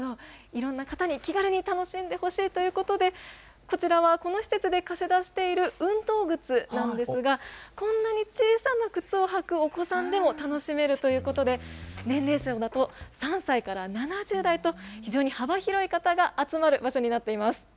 いろんな方に気軽に楽しんでほしいということで、こちらはこの施設で貸し出している運動靴なんですが、こんなに小さな靴を履くお子さんでも楽しめるということで、年齢層だと、なんと３歳から７０代と、非常に幅広い方が集まる場所になっています。